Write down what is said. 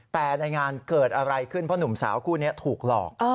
แต่ในงานเกิดอะไรขึ้นเพราะหนุ่มสาวคู่นี้ถูกหลอก